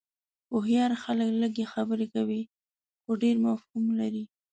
هوښیار خلک لږ خبرې کوي خو ډېر مفهوم لري.